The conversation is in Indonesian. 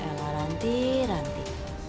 eh lah ranti ranti